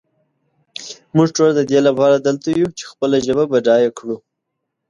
مونږ ټول ددې لپاره دلته یو چې خپله ژبه بډایه کړو.